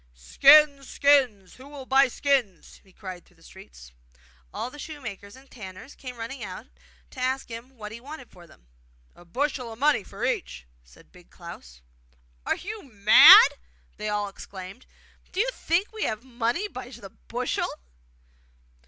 'Skins! skins! Who will buy skins?' he cried through the streets. All the shoemakers and tanners came running to ask him what he wanted for them. 'A bushel of money for each,' said Big Klaus. 'Are you mad?' they all exclaimed. 'Do you think we have money by the bushel?